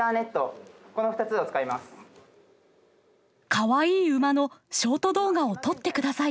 カワイイ馬のショート動画を撮ってください。